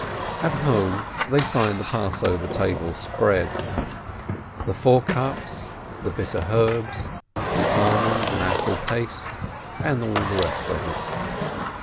At home they find the Passover table spread: the four cups, the bitter herbs, the almond and apple paste, and all the rest of it.